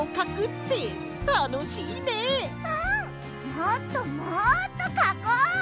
もっともっとかこう！